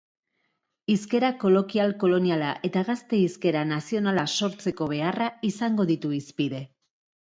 Hizkera kolokial-koloniala eta gazte hizkera nazionala sortzeko beharra izango ditu hizpide.